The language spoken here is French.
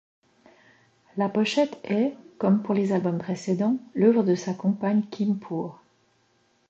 La pochette est, comme pour les albums précédents, l'œuvre de sa compagne Kim Poor.